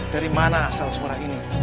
dari mana asal suara ini